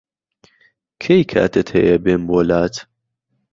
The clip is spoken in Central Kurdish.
کەی کاتت هەیە بێم بۆلات؟